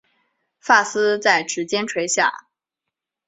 发丝在指间垂下